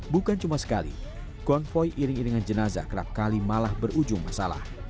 bukan cuma sekali konvoy iring iringan jenazah kerap kali malah berujung masalah